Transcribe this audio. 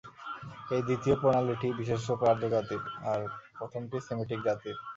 এই দ্বিতীয় প্রণালীটি বিশেষরূপে আর্যজাতির, আর প্রথমটি সেমিটিক জাতির।